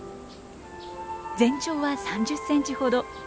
全長は３０センチほど。